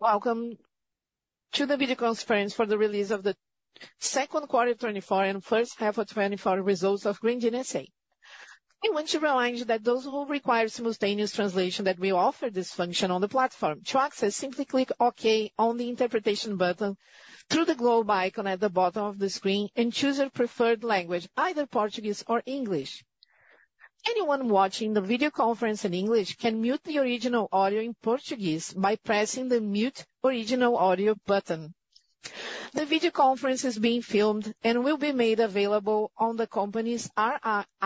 ...Welcome to the video conference for the release of the second quarter 2024 and first half of 2024 results of Grendene S.A. I want to remind you that those who require simultaneous translation, that we offer this function on the platform. To access, simply click OK on the interpretation button through the globe icon at the bottom of the screen and choose your preferred language, either Portuguese or English. Anyone watching the video conference in English can mute the original audio in Portuguese by pressing the Mute Original Audio button. The video conference is being filmed and will be made available on the company's IR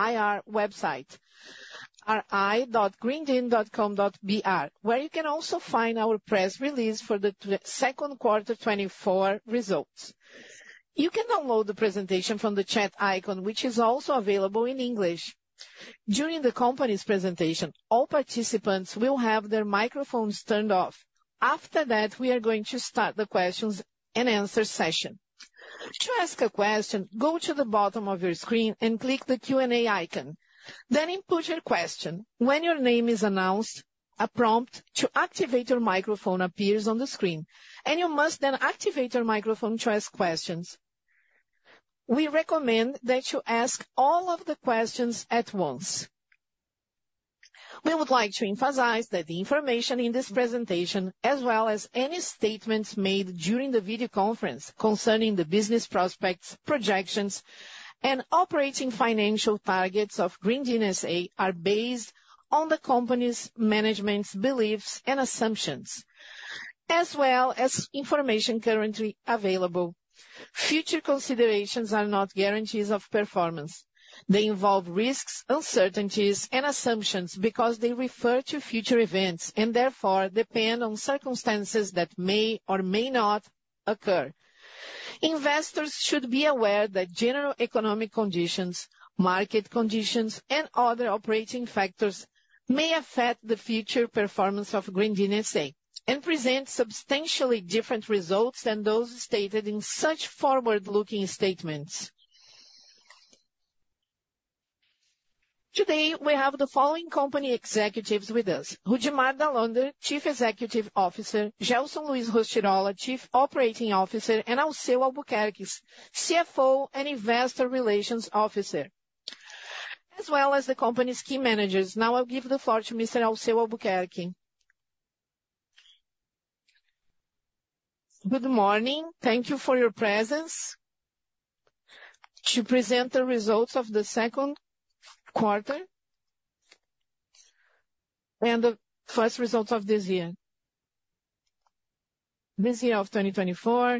website, ri.grendene.com.br, where you can also find our press release for the second quarter 2024 results. You can download the presentation from the chat icon, which is also available in English. During the company's presentation, all participants will have their microphones turned off. After that, we are going to start the question-and-answer session. To ask a question, go to the bottom of your screen and click the Q&A icon, then input your question. When your name is announced, a prompt to activate your microphone appears on the screen, and you must then activate your microphone to ask questions. We recommend that you ask all of the questions at once. We would like to emphasize that the information in this presentation, as well as any statements made during the video conference concerning the business prospects, projections, and operating financial targets of Grendene S.A., are based on the company's management's beliefs and assumptions, as well as information currently available. Future considerations are not guarantees of performance. They involve risks, uncertainties, and assumptions because they refer to future events, and therefore, depend on circumstances that may or may not occur. Investors should be aware that general economic conditions, market conditions, and other operating factors may affect the future performance of Grendene S.A., and present substantially different results than those stated in such forward-looking statements. Today, we have the following company executives with us: Rudimar Dall'Onder, Chief Executive Officer; Gelson Luis Rostirolla, Chief Operating Officer; and Alceu Albuquerque, CFO and Investor Relations Officer, as well as the company's key managers. Now, I'll give the floor to Mr. Alceu Albuquerque. Good morning. Thank you for your presence. To present the results of the second quarter and the first half results of this year. This year of 2024,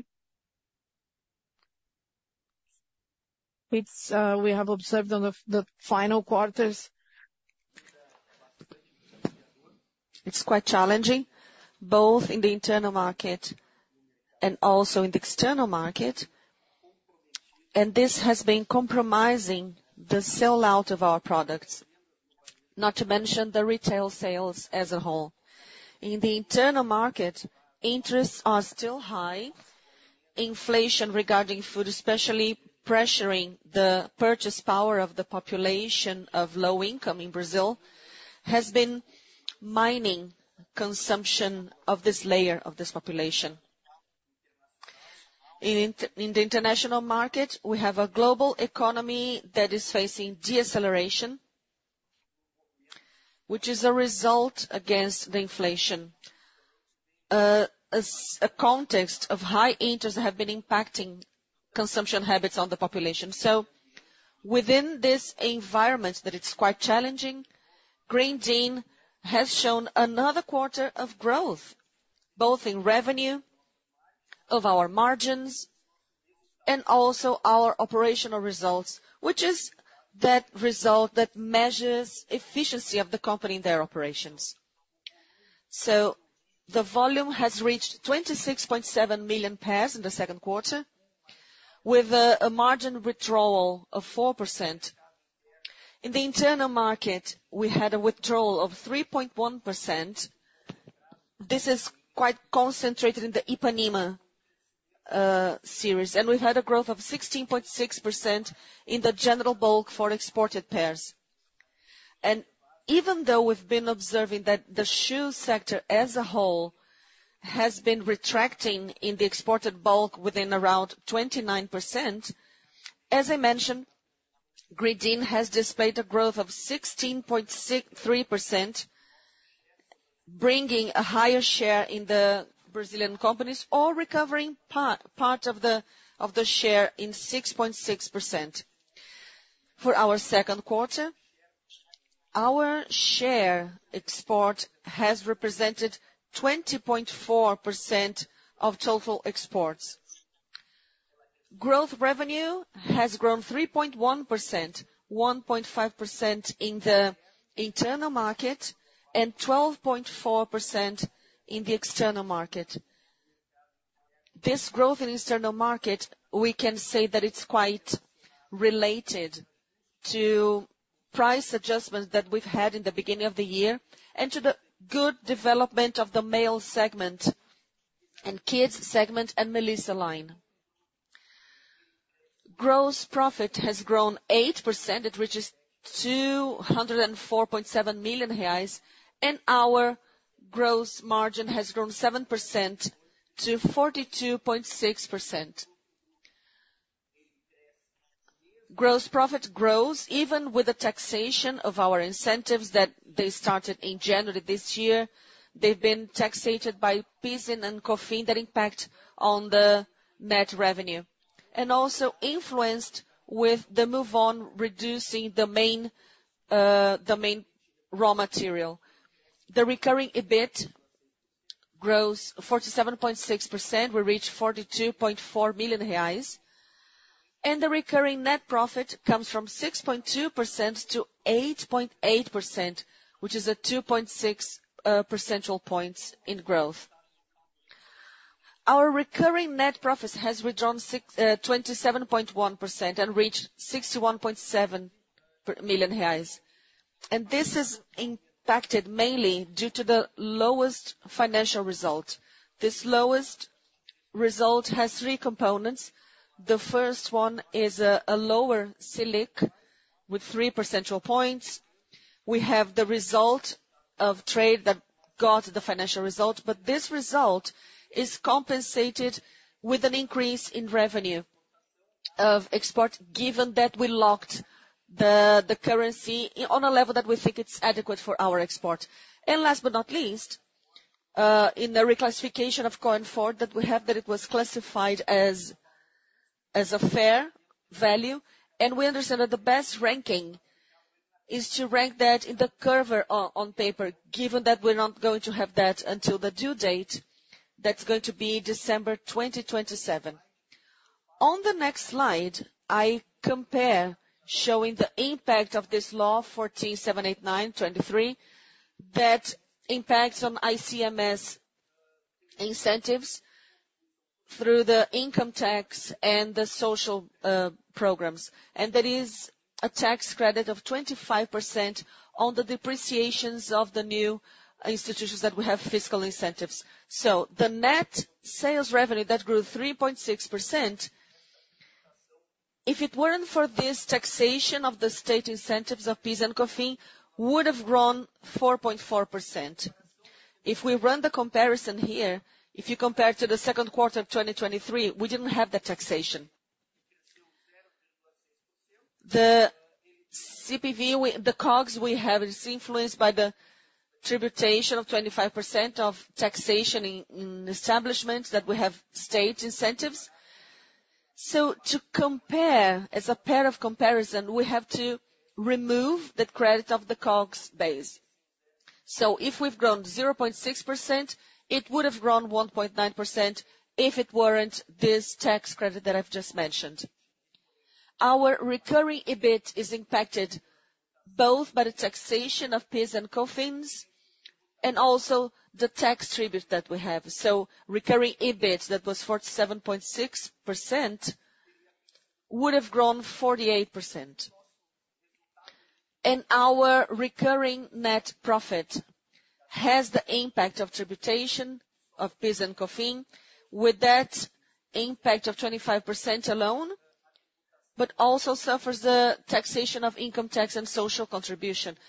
it's, we have observed on the, the final quarters, it's quite challenging, both in the internal market and also in the external market, and this has been compromising the sell-out of our products, not to mention the retail sales as a whole. In the internal market, interests are still high. Inflation regarding food, especially pressuring the purchasing power of the population of low income in Brazil, has been undermining consumption of this layer of this population. In the international market, we have a global economy that is facing deceleration, which is a result of the fight against the inflation. As a context of high interest have been impacting consumption habits on the population. So within this environment, that it's quite challenging, Grendene has shown another quarter of growth, both in revenue of our margins and also our operational results, which is that result that measures efficiency of the company in their operations. So the volume has reached 26.7 million pairs in the second quarter, with a margin withdrawal of 4%. In the internal market, we had a withdrawal of 3.1%. This is quite concentrated in the Ipanema series, and we've had a growth of 16.6% in the general bulk for exported pairs. And even though we've been observing that the shoe sector as a whole has been retracting in the exported bulk within around 29%, as I mentioned, Grendene has displayed a growth of 16.3%, bringing a higher share in the Brazilian companies, all recovering part of the share in 6.6%. For our second quarter, our share export has represented 20.4% of total exports. Gross revenue has grown 3.1%, 1.5% in the internal market and 12.4% in the external market. This growth in external market, we can say that it's quite related to price adjustments that we've had in the beginning of the year and to the good development of the male segment and kids segment and Melissa line. Gross profit has grown 8%, it reaches 204.7 million reais, and our gross margin has grown 7% to 42.6%. Gross profit grows even with the taxation of our incentives that they started in January this year. They've been taxed by PIS and COFINS that impact on the net revenue, and also influenced with the move on reducing the main raw material. The recurring EBIT grows 47.6%, we reach 42.4 million reais, and the recurring net profit comes from 6.2% to 8.8%, which is a 2.6 percentage points in growth. Our recurring net profit has grown 27.1% and reached 61.7 million reais, and this is impacted mainly due to the lowest financial result. This lowest result has three components. The first one is a lower Selic, with 3 percentage points. We have the result of trade that got the financial result, but this result is compensated with an increase in revenue of export, given that we locked the currency in on a level that we think it's adequate for our export. And last but not least, in the reclassification of that we have, that it was classified as fair value, and we understand that the best ranking is to rank that in the amortized cost on paper, given that we're not going to have that until the due date, that's going to be December 2027. On the next slide, I compare, showing the impact of this Law 14.789/2023, that impacts on ICMS incentives through the income tax and the social programs. There is a tax credit of 25% on the depreciations of the new institutions that we have fiscal incentives. So the net sales revenue that grew 3.6%, if it weren't for this taxation of the state incentives of PIS and COFINS, would have grown 4.4%. If we run the comparison here, if you compare to the second quarter of 2023, we didn't have the taxation. The CPV, the COGS we have is influenced by the taxation of 25% of taxation in establishments that we have state incentives. So to compare, as a point of comparison, we have to remove the credit of the COGS base. So if we've grown 0.6%, it would have grown 1.9% if it weren't this tax credit that I've just mentioned. Our recurring EBIT is impacted both by the taxation of PIS and COFINS, and also the tax tribute that we have. So recurring EBIT, that was 47.6%, would have grown 48%. And our recurring net profit has the impact of taxation of PIS and COFINS, with that impact of 25% alone, but also suffers the taxation of income tax and social contribution. So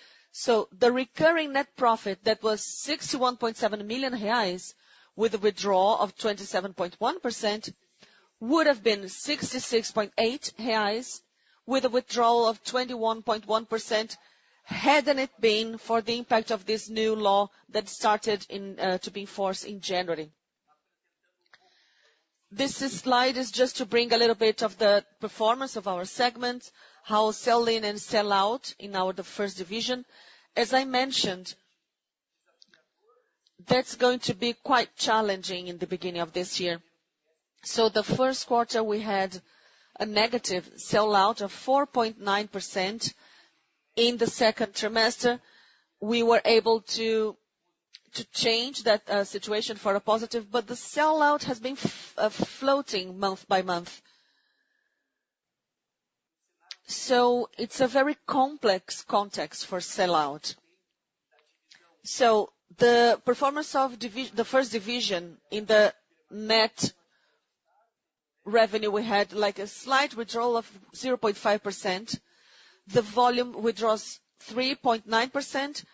the recurring net profit, that was 61.7 million reais, with a withdrawal of 27.1%, would have been 66.8 million reais, with a withdrawal of 21.1%, hadn't it been for the impact of this new law that started in, to be in force in January. This slide is just to bring a little bit of the performance of our segments, how sell-in and sell-out in our—the first division. As I mentioned, that's going to be quite challenging in the beginning of this year. So the first quarter, we had a negative sell-out of 4.9%. In the second quarter, we were able to, to change that, situation for a positive, but the sell-out has been floating month by month. So it's a very complex context for sell-out. So the performance of the first division in the net revenue, we had like a slight withdrawal of 0.5%. The volume withdraws 3.9%,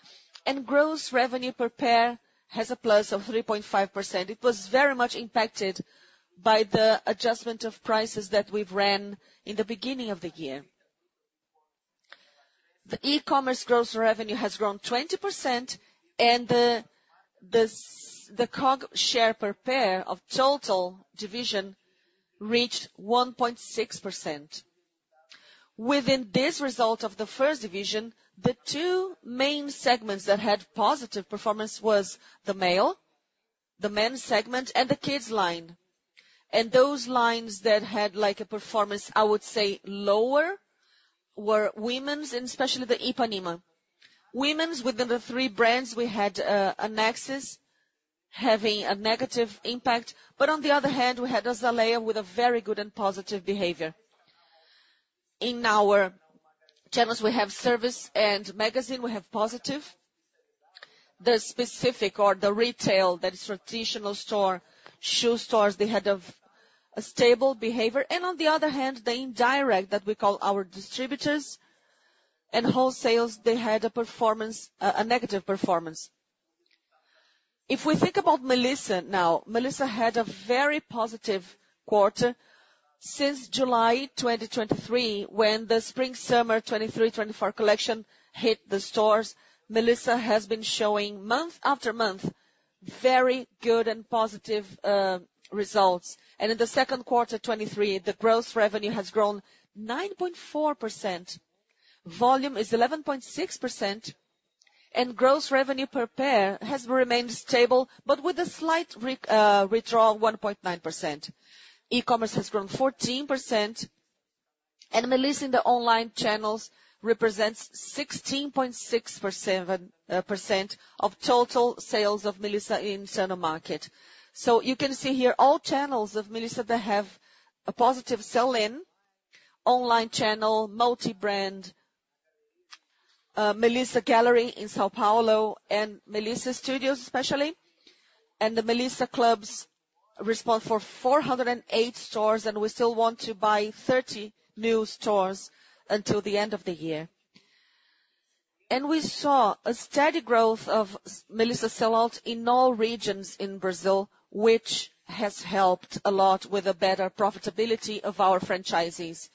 and gross revenue per pair has a plus of 3.5%. It was very much impacted by the adjustment of prices that we've ran in the beginning of the year. The e-commerce gross revenue has grown 20%, and the COG share per pair of total division reached 1.6%. Within this result of the first division, the two main segments that had positive performance was the male, the men's segment, and the kids line. Those lines that had, like, a performance, I would say, lower, were women's and especially the Ipanema. Women's, within the three brands, we had [Anexis] having a negative impact, but on the other hand, we had Azaleia with a very good and positive behavior. In our channels, we have service and magazine, we have Positive. The physical or the retail, that is traditional store, shoe stores, they had a stable behavior. On the other hand, the indirect that we call our distributors and wholesalers, they had a performance, a negative performance. If we think about Melissa now, Melissa had a very positive quarter. Since July 2023, when the spring, summer 2023, 2024 collection hit the stores, Melissa has been showing month after month, very good and positive results. In the second quarter 2023, the gross revenue has grown 9.4%. Volume is 11.6%, and gross revenue per pair has remained stable, but with a slight re-withdrawal, 1.9%. e-commerce has grown 14%, and Melissa in the online channels represents 16.6% percent of total sales of Melissa in internal market. You can see here all channels of Melissa that have a positive sell-in, online channel, multi-brand, Melissa Gallery in São Paulo, and Melissa Studios especially. The Melissa Clubs respond for 408 stores, and we still want to buy 30 new stores until the end of the year. We saw a steady growth of Melissa sellout in all regions in Brazil, which has helped a lot with a better profitability of our franchisees.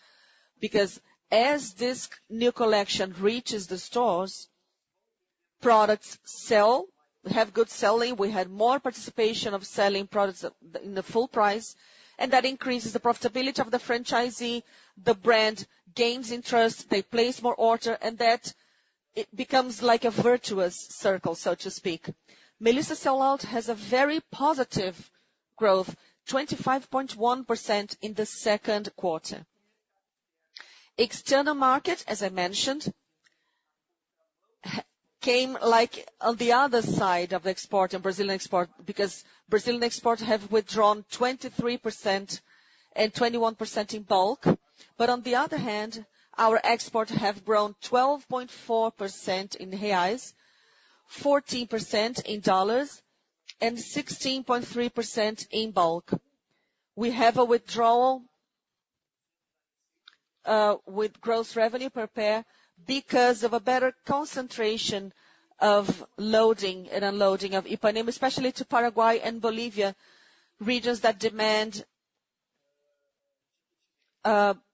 Because as this new collection reaches the stores, products sell, have good selling. We had more participation of selling products in the full price, and that increases the profitability of the franchisee. The brand gains interest, they place more order, and that, it becomes like a virtuous circle, so to speak. Melissa sellout has a very positive growth, 25.1% in the second quarter. External market, as I mentioned, came like on the other side of the export and Brazilian export, because Brazilian export have withdrawn 23% and 21% in bulk. But on the other hand, our export have grown 12.4% in reais, 14% in dollars, and 16.3% in bulk. We have a withdrawal with gross revenue per pair because of a better concentration of loading and unloading of Ipanema, especially to Paraguay and Bolivia, regions that demand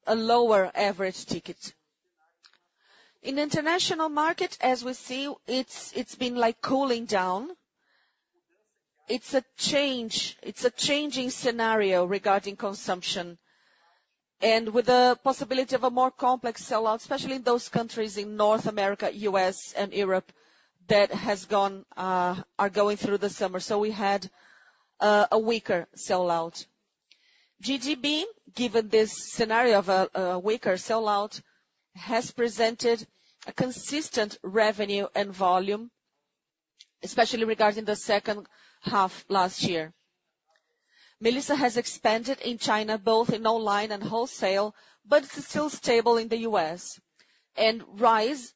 a lower average ticket. In international market, as we see, it's been like cooling down. It's a changing scenario regarding consumption and with the possibility of a more complex sell-out, especially in those countries in North America, U.S. and Europe, that has gone, are going through the summer. So we had a weaker sell-out. GGB, given this scenario of a weaker sell-out, has presented a consistent revenue and volume, especially regarding the second half last year. Melissa has expanded in China, both in online and wholesale, but it is still stable in the U.S. rise,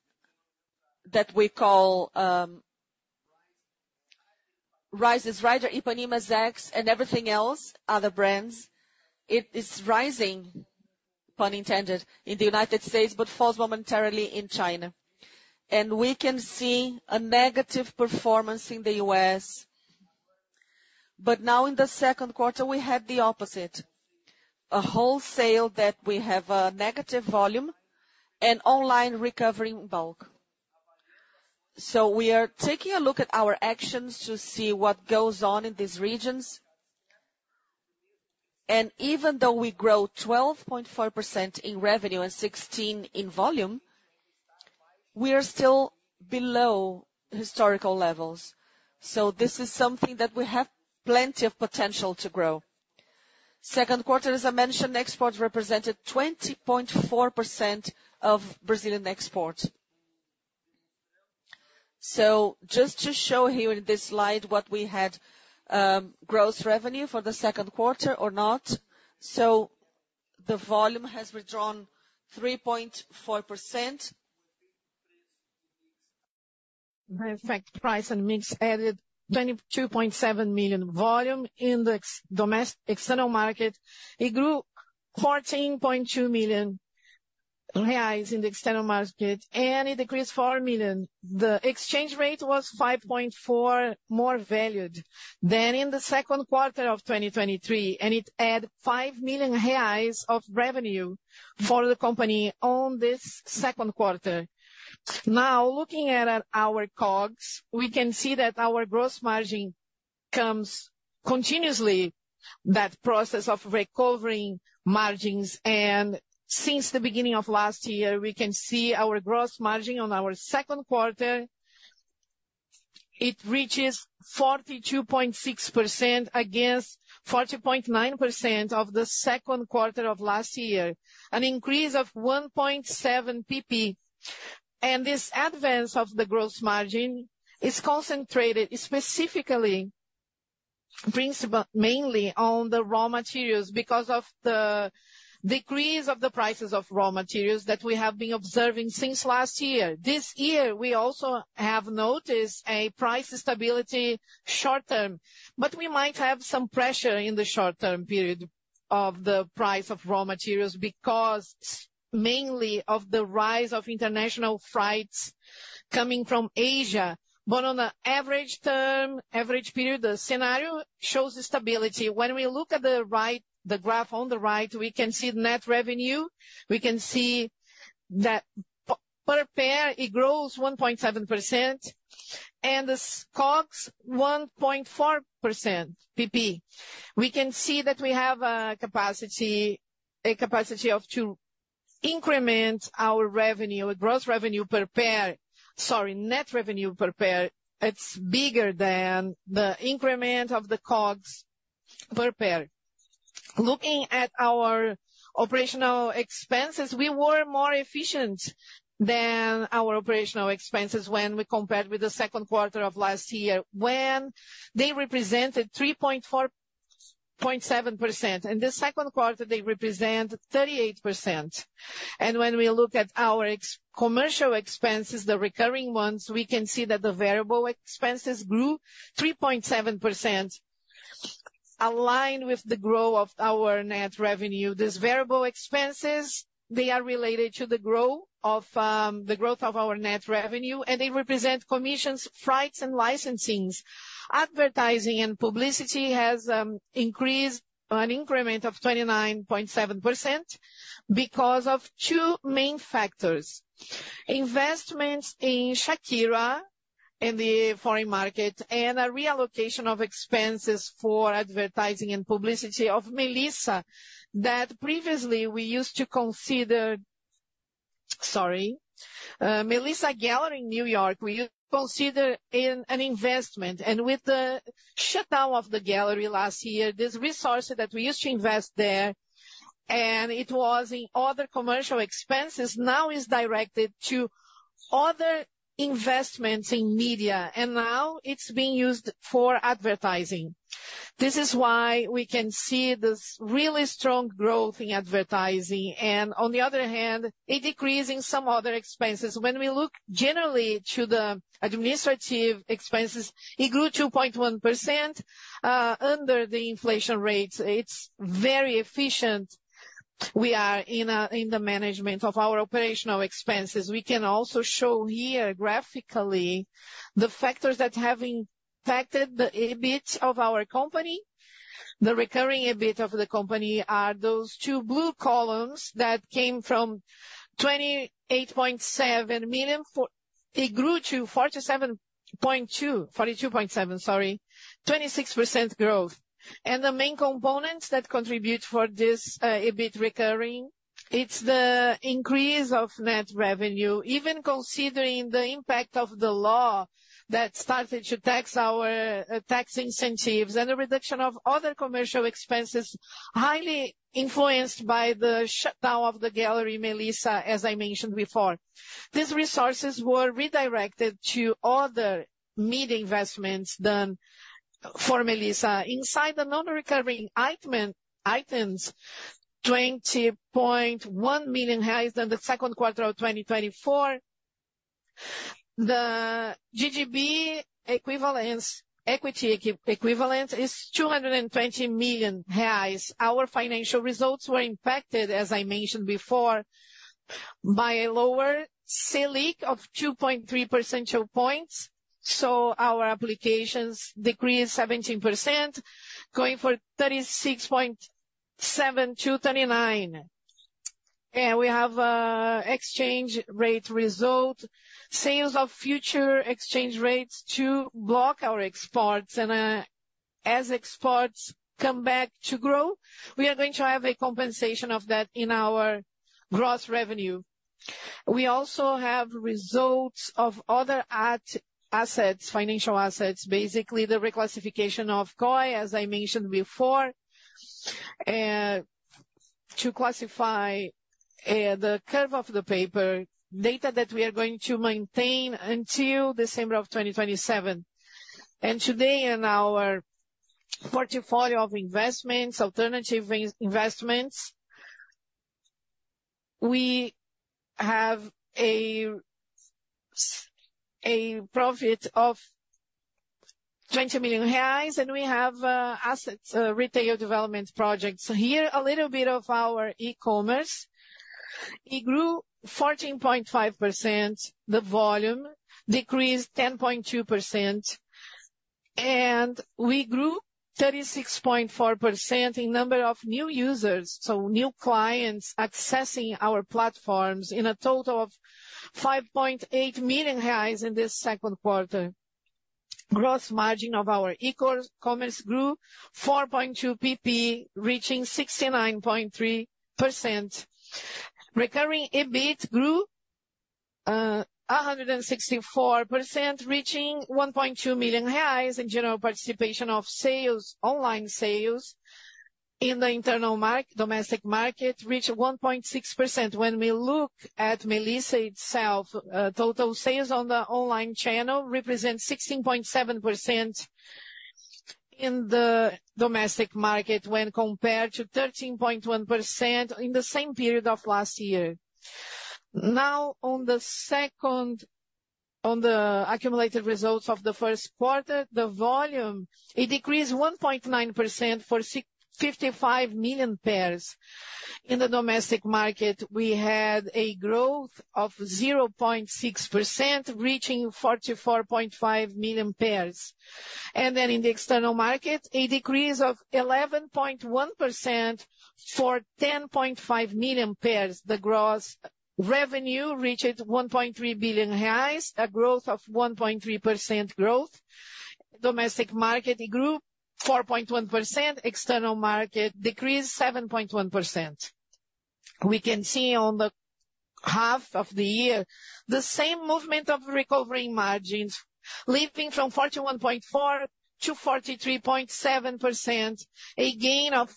that we call, rise is Rider, Ipanema, Zaxy, and everything else, other brands. It is rising, pun intended, in the United States, but falls momentarily in China. We can see a negative performance in the U.S. Now in the second quarter, we have the opposite, a wholesale that we have a negative volume and online recovery in bulk. We are taking a look at our actions to see what goes on in these regions. Even though we grow 12.4% in revenue and 16 in volume, we are still below historical levels. This is something that we have plenty of potential to grow. Second quarter, as I mentioned, exports represented 20.4% of Brazilian export. So just to show you in this slide what we had, gross revenue for the second quarter or not. So the volume has withdrawn 3.4%. In fact, price and mix added 22.7 million volume in the external market. It grew 14.2 million reais in the external market, and it decreased 4 million. The exchange rate was 5.4 more valued than in the second quarter of 2023, and it add 5 million reais of revenue for the company on this second quarter. Now, looking at, at our COGS, we can see that our gross margin comes continuously, that process of recovering margins. Since the beginning of last year, we can see our gross margin on our second quarter. It reaches 42.6% against 40.9% of the second quarter of last year, an increase of 1.7 percentage points. This advance of the gross margin is concentrated specifically-... brings about mainly on the raw materials, because of the decrease of the prices of raw materials that we have been observing since last year. This year, we also have noticed a price stability short term, but we might have some pressure in the short term period of the price of raw materials, because mainly of the rise of international freights coming from Asia. But on a average term, average period, the scenario shows stability. When we look at the right, the graph on the right, we can see the net revenue. We can see that per pair, it grows 1.7%, and the COGS, 1.4%, PP. We can see that we have a capacity, a capacity of to increment our revenue, gross revenue per pair, sorry, net revenue per pair. It's bigger than the increment of the COGS per pair. Looking at our operational expenses, we were more efficient than our operational expenses when we compared with the second quarter of last year, when they represented 3.47%. In this second quarter, they represent 38%. And when we look at our ex-commercial expenses, the recurring ones, we can see that the variable expenses grew 3.7%, aligned with the growth of our net revenue. These variable expenses, they are related to the growth of our net revenue, and they represent commissions, freights, and licensings. Advertising and publicity has increased an increment of 29.7% because of two main factors: investments in Shakira in the foreign market, and a reallocation of expenses for advertising and publicity of Melissa, that previously we used to consider... Sorry, Melissa Gallery in New York, we used to consider an investment. With the shutdown of the gallery last year, this resource that we used to invest there, and it was in other commercial expenses, now is directed to other investments in media, and now it's being used for advertising. This is why we can see this really strong growth in advertising, and on the other hand, a decrease in some other expenses. When we look generally to the administrative expenses, it grew 2.1%, under the inflation rates. It's very efficient. We are in the management of our operational expenses. We can also show here graphically, the factors that have impacted the EBIT of our company. The recurring EBIT of the company are those two blue columns that came from 28.7 million. It grew to 47.2 - 42.7, sorry, 26% growth. The main components that contribute for this, EBIT recurring, it's the increase of net revenue, even considering the impact of the law that started to tax our tax incentives and a reduction of other commercial expenses, highly influenced by the shutdown of the Melissa Gallery, as I mentioned before. These resources were redirected to other media investments than for Melissa. Inside the non-recurring items, 20.1 million in the second quarter of 2024. The GGB equivalence, equity equivalence, is 220 million reais. Our financial results were impacted, as I mentioned before, by a lower Selic of 2.3 percentage points, so our applications decreased 17%, going from 36.7 to 39. We have an exchange rate result, sales of future exchange rates to block our exports. As exports come back to grow, we are going to have a compensation of that in our gross revenue. We also have results of other assets, financial assets, basically the reclassification of COE, as I mentioned before, to classify the curve of the paper data that we are going to maintain until December of 2027. Today, in our portfolio of investments, alternative investments, we have a profit of 20 million reais, and we have assets, retail development projects. Here, a little bit of our e-commerce. It grew 14.5%, the volume decreased 10.2%, and we grew 36.4% in number of new users. So new clients accessing our platforms in a total of 5.8 million reais in this second quarter. Gross margin of our e-commerce grew 4.2 BP, reaching 69.3%. Recurring EBIT grew 164%, reaching 1.2 million reais. In general, participation of sales, online sales in the internal market, domestic market reached 1.6%. When we look at Melissa itself, total sales on the online channel represent 16.7% in the domestic market, when compared to 13.1% in the same period of last year. Now, on the accumulated results of the first quarter, the volume, it decreased 1.9% for 55 million pairs. In the domestic market, we had a growth of 0.6%, reaching 44.5 million pairs. And then in the external market, a decrease of 11.1% for 10.5 million pairs. The gross revenue reached 1.3 billion reais, a growth of 1.3% growth. Domestic market, it grew 4.1%. External market decreased 7.1%. We can see on the half of the year, the same movement of recovering margins, leaping from 41.4% to 43.7%, a gain of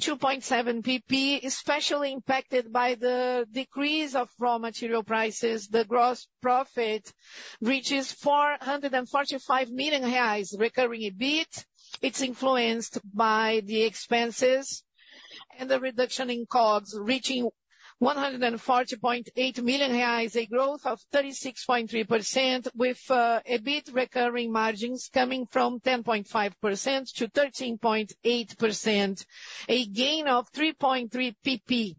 2.7 PP, especially impacted by the decrease of raw material prices. The gross profit reaches 445 million reais, recurring EBIT. It's influenced by the expenses and the reduction in costs, reaching 140.8 million reais, a growth of 36.3%, with EBIT recurring margins coming from 10.5% to 13.8%, a gain of 3.3 PP.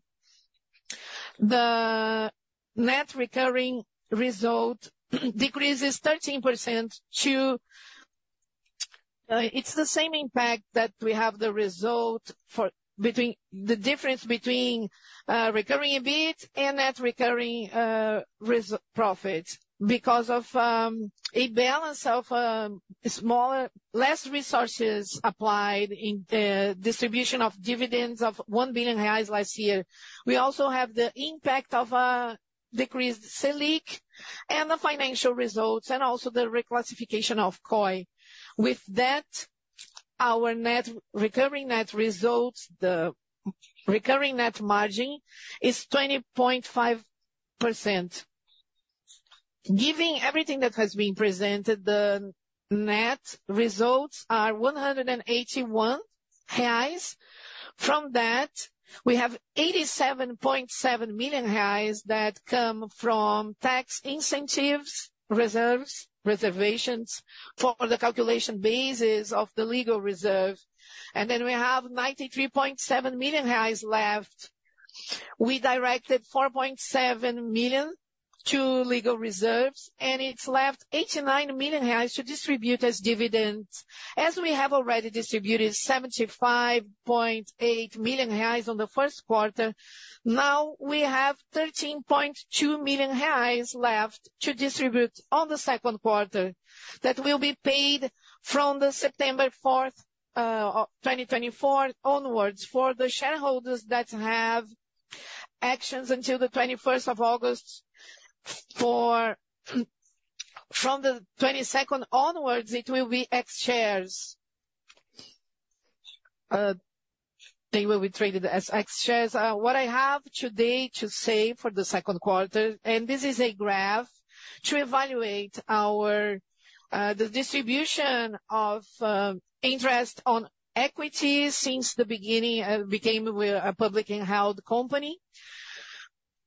The net recurring result decreases 13% to. It's the same impact that we have the result for the difference between recurring EBIT and net recurring profit. Because of a balance of less resources applied in the distribution of dividends of 1 billion reais last year. We also have the impact of decreased Selic and the financial results, and also the reclassification of COE. With that, our recurring net results, the recurring net margin is 20.5%. Giving everything that has been presented, the net results are 181 reais. From that, we have 87.7 million reais that come from tax incentives, reserves, reservations for the calculation bases of the legal reserve. And then we have 93.7 million reais left. We directed 4.7 million to legal reserves, and it's left 89 million reais to distribute as dividends. As we have already distributed 75.8 million reais on the first quarter, now we have 13.2 million reais left to distribute on the second quarter. That will be paid from September 4th of 2024 onwards. For the shareholders that have actions until the 21st of August, from the 22nd onwards, it will be ex shares. They will be traded as ex shares. What I have today to say for the second quarter, and this is a graph to evaluate our, the distribution of interest on equity since the beginning, became we're a publicly held company.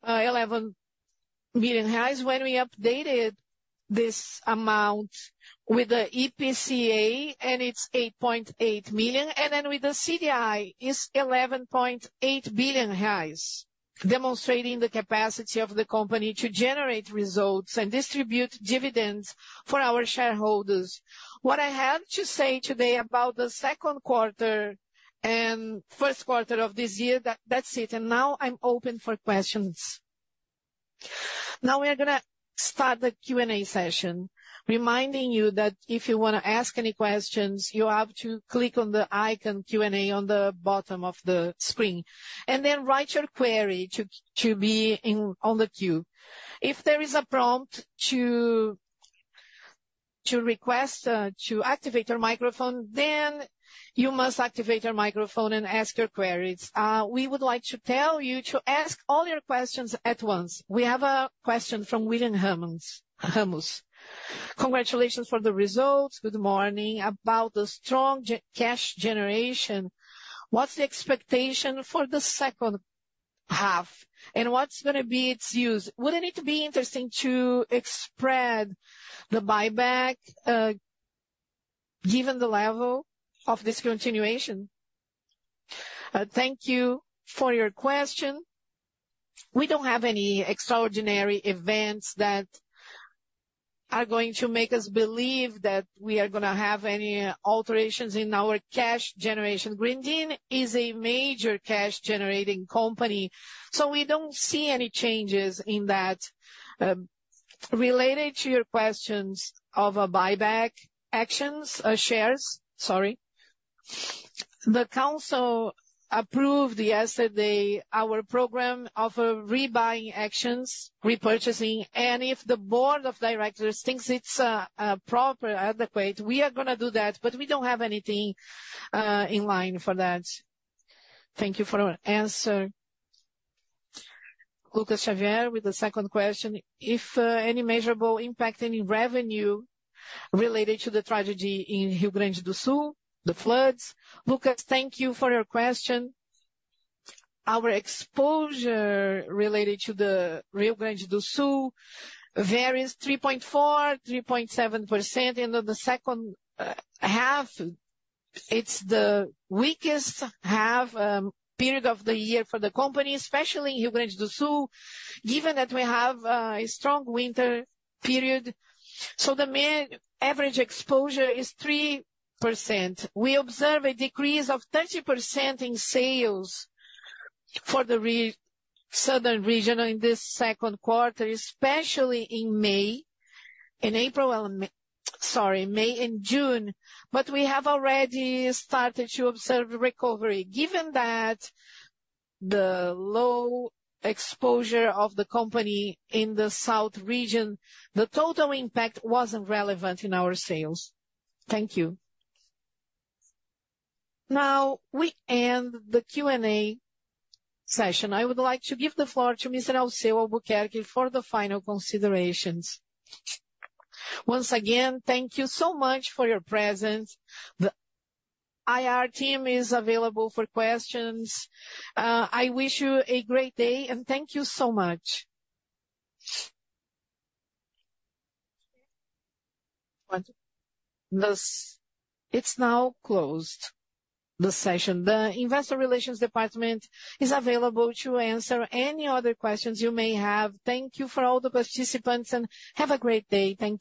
11 billion. When we updated this amount with the IPCA, and it's 8.8 million, and then with the CDI, it's 11.8 billion, demonstrating the capacity of the company to generate results and distribute dividends for our shareholders. What I have to say today about the second quarter and first quarter of this year, that's it. Now I'm open for questions. Now we are gonna start the Q&A session, reminding you that if you wanna ask any questions, you have to click on the icon Q&A on the bottom of the screen, and then write your query to be in on the queue. If there is a prompt to request to activate your microphone, then you must activate your microphone and ask your queries. We would like to tell you to ask all your questions at once. We have a question from [William Hermans]. Congratulations for the results. Good morning. About the strong cash generation, what's the expectation for the second half, and what's gonna be its use? Wouldn't it be interesting to spread the buyback, given the level of this continuation? Thank you for your question. We don't have any extraordinary events that are going to make us believe that we are gonna have any alterations in our cash generation. Grendene is a major cash-generating company, so we don't see any changes in that. Related to your questions of a buyback actions, shares, sorry. The council approved yesterday our program of rebuying actions, repurchasing, and if the board of directors thinks it's proper, adequate, we are gonna do that, but we don't have anything in line for that. Thank you for your answer. [Lucas Xavier] with the second question: If any measurable impact in revenue related to the tragedy in Rio Grande do Sul, the floods? Lucas, thank you for your question. Our exposure related to the Rio Grande do Sul varies 3.4%-3.7%. End of the second half, it's the weakest half, period of the year for the company, especially in Rio Grande do Sul, given that we have a strong winter period. So the main average exposure is 3%. We observe a decrease of 30% in sales for the Southern region in this second quarter, especially in May and June. But we have already started to observe a recovery. Given the low exposure of the company in the South region, the total impact wasn't relevant in our sales. Thank you. Now, we end the Q&A session. I would like to give the floor to Mr. Alceu Albuquerque for the final considerations. Once again, thank you so much for your presence. The IR team is available for questions. I wish you a great day, and thank you so much. What? The session is now closed. The investor relations department is available to answer any other questions you may have. Thank you for all the participants, and have a great day. Thank you.